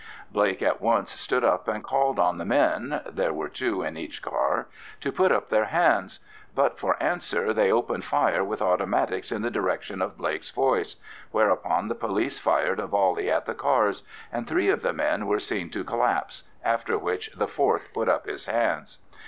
Blake at once stood up and called on the men—there were two in each car—to put up their hands; but for answer they opened fire with automatics in the direction of Blake's voice, whereupon the police fired a volley at the cars, and three of the men were seen to collapse, after which the fourth put up his hands.